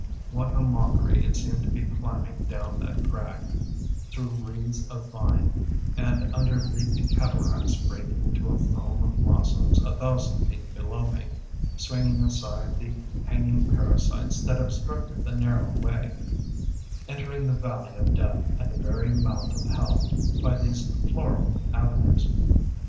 What a mockery it seemed to be climbing down that crag, through wreaths of vine, and under leafy cataracts breaking into a foam of blossoms a thousand feet below me; swinging aside the hanging parasites that obstructed the narrow way, entering the valley of death, and the very mouth of hell, by these floral avenues!